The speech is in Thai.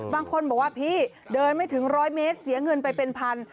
บางคนบอกว่าพี่เดินไม่ถึงร้อยเมตรเสียเงินไปเป็นพัน